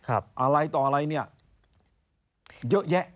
อะไรต่ออะไรเนี่ยเยอะแยะ